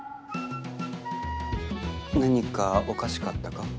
何かおかしかったか？